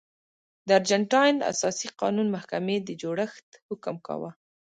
د ارجنټاین اساسي قانون محکمې د جوړښت حکم کاوه.